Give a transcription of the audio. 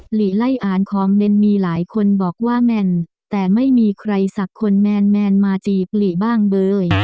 หลีไล่อ่านคอมเมนต์มีหลายคนบอกว่าแมนแต่ไม่มีใครสักคนแมนมาจีบหลีบ้างเบย